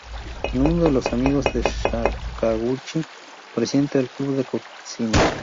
Es uno de los amigos de Sakaguchi, presidente del club de cocina.